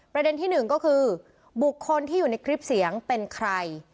ประเด็นที่หนึ่งก็คือบุคคลที่อยู่ในคลิปเสียงเป็นใคร